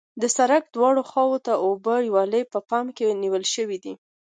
د سرک دواړو خواو ته د اوبو ویالې په پام کې نیول شوې دي